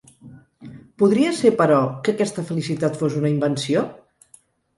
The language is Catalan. Podria ser, però, que aquesta felicitat fos una invenció?